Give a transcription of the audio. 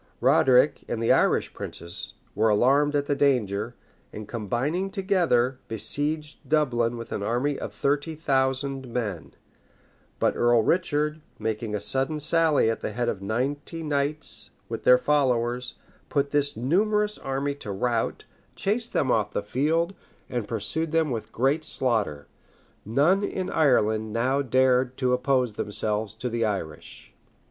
Roderic, and the other Irish princes, were alarmed at the danger; and combining together, besieged Dublin with an army of thirty thousand men; but Earl Richard, making a sudden sally at the head of ninety knights with their followers, put this numerous army to rout, chased them off the field, and pursued them with great slaughter. None in Ireland now dared to oppose themselves to the English.